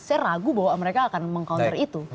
saya ragu bahwa mereka akan meng counter itu